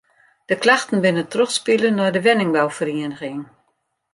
De klachten binne trochspile nei de wenningbouferieniging.